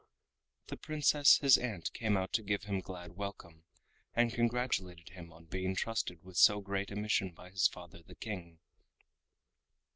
The Princess his aunt came out to give him glad welcome, and congratulated him on being trusted with so great a mission by his father the King.